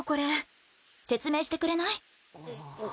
説明してくれない？